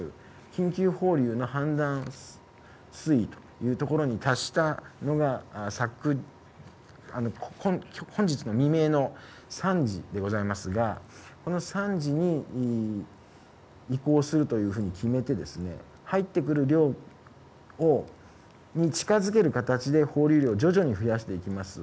緊急放流の氾濫水位というところに達したのが、本日の未明の３時でございますが、この３時に移行するというふうに決めて、入ってくる量に近づける形で放流量を徐々に増やしていきます。